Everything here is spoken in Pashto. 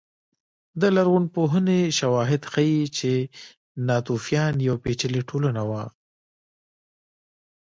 د لرغونپوهنې شواهد ښيي چې ناتوفیان یوه پېچلې ټولنه وه